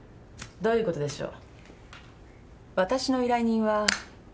どういうことでしょう？